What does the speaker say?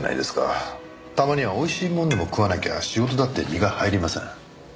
たまにはおいしいものでも食わなきゃ仕事だって身が入りません。